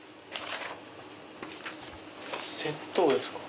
窃盗ですか？